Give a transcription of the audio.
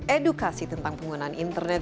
edukasi tentang penggunaan internet